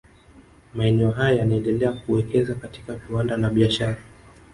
Maeneo haya yanaendelea kuwekeza katika viwanda na biashara